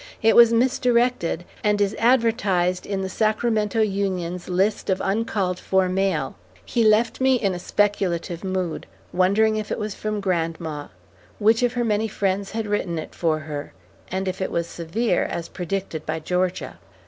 It was misdirected, and is advertised in The Sacramento Union's list of uncalled for mail." He left me in a speculative mood, wondering if it was from grandma; which of her many friends had written it for her; and if it was severe, as predicted by Georgia.